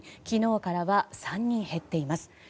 昨日からは３人減っています。